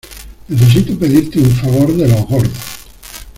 necesito pedirte un favor de los gordos.